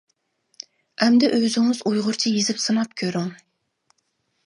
ئەمدى ئۆزىڭىز ئۇيغۇرچە يېزىپ سىناپ كۆرۈڭ.